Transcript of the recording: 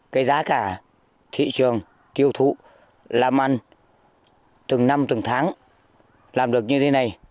cái giá cả thị trường tiêu thụ làm ăn từng năm từng tháng làm được như thế này